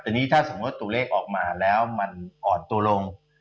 แต่นี่ถ้าสมมุติตัวเลขออกมาแล้วมันอ่อนตัวลง